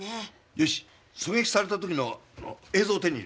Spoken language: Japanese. よし狙撃された時の映像を手に入れろ。